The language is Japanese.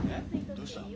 どうした？